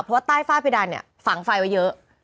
เพราะว่าใต้ฝ้าเพดานเนี่ยฝังไฟไว้เยอะ